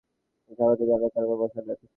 তাঁকে স্বাগত জানালেন তারপর বসালেন।